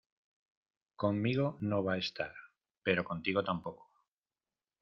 conmigo no va a estar, pero contigo tampoco.